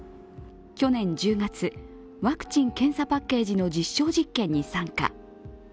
去年１０月、ワクチン・検査パッケージの実証実験に参加。